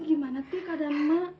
gimana tuh keadaan mak